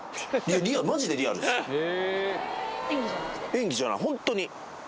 演技じゃないホントに。